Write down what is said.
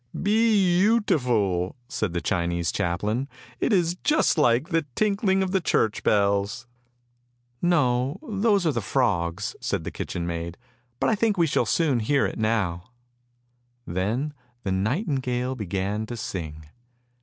" Beautiful? " said the Chinese chaplain, " it is just like the tinkling of church bells." 1 130 ANDERSEN'S FAIRY TALES " No, those are the frogs! " said the little kitchen maid. " But I think we shall soon hear it now! " Then the nightingale began to sing.